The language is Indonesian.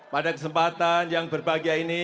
pada kesempatan yang berbahagia ini